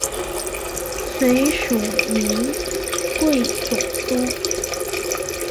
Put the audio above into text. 随署云贵总督。